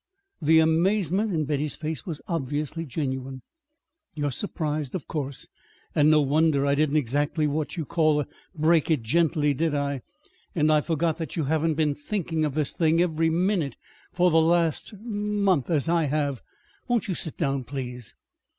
The amazement in Betty's face was obviously genuine. "You are surprised, of course; and no wonder. I didn't exactly what you call 'break it gently,' did I? And I forgot that you haven't been thinking of this thing every minute for the last er month, as I have. Won't you sit down, please."